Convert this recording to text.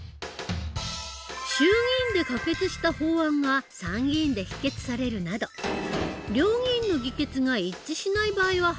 衆議院で可決した法案が参議院で否決されるなど両議院の議決が一致しない場合は廃案になる。